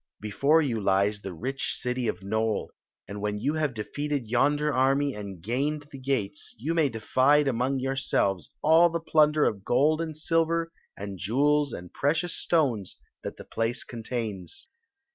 Before you lies the rich city of Nole, and when you have defeated yonder army and gained the gates you may divide among yourselves all the plun der of gold and silver and jewels and precious sto^ that the place contains.